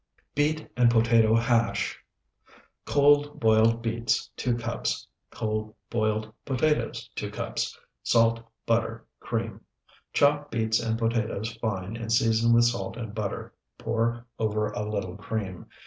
BEET AND POTATO HASH Cold, boiled beets, 2 cups. Cold, boiled potatoes, 2 cups. Salt. Butter. Cream. Chop beets and potatoes fine and season with salt and butter. Pour over a little cream.